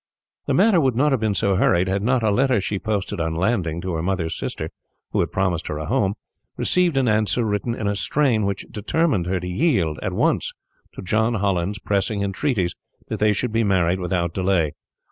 The matter would not have been so hurried had not a letter she posted on landing, to her mother's sister, who had promised her a home, received an answer written in a strain which determined her to yield, at once, to John Holland's pressing entreaties that they should be married without delay.